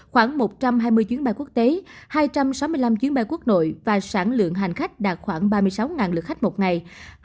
khoảng một trăm hai mươi chuyến bay quốc tế hai trăm sáu mươi năm chuyến bay quốc nội và sản lượng hành khách đạt khoảng ba mươi sáu lượt khách một ngày